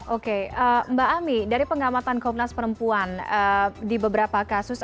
oke mbak ami dari pengamatan komnas perempuan di beberapa kasus